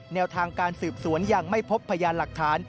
แนวทางการสืบสวนยังไม่พบพยานหลักฐาน